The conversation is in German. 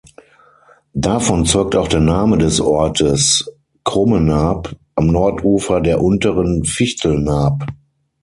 Davon zeugt auch der Name des Ortes Krummennaab am Nordufer der unteren Fichtelnaab.